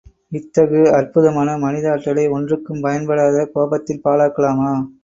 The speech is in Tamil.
இத்தகு அற்புதமான மனித ஆற்றலை ஒன்றுக்கும் பயன்படாத கோபத்தில் பாழாக்கலாமா?